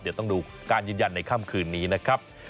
เดี๋ยวต้องดูการยืนยันในค่ำคืนนี้นะครับ